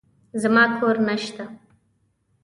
زما کور نشته.